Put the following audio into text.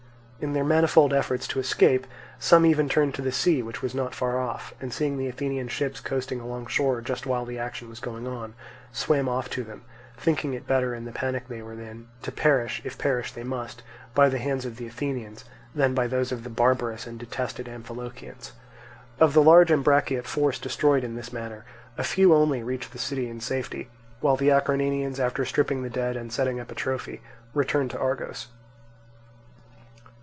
In their manifold efforts to escape some even turned to the sea, which was not far off, and seeing the Athenian ships coasting alongshore just while the action was going on, swam off to them, thinking it better in the panic they were in, to perish, if perish they must, by the hands of the Athenians, than by those of the barbarous and detested Amphilochians. Of the large Ambraciot force destroyed in this manner, a few only reached the city in safety; while the Acarnanians, after stripping the dead and setting up a trophy, returned to Argos.